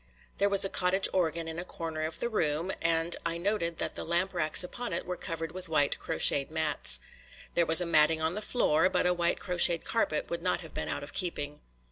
There was a cottage organ in a corner of the room, and I noted that the lamp racks upon it were covered with white crocheted mats. There was a matting on the floor, but a white crocheted carpet would not have been out of keeping.